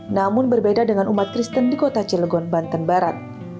namun berbeda dengan umat kristen di kota cilegon banten barat